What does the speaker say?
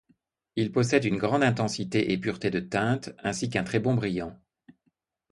Il possède une grande intensité et pureté de teinte, ainsi qu'un très bon brillant.